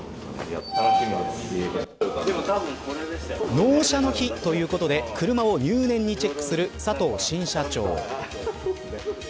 納車の日ということで車を入念にチェックする佐藤新社長。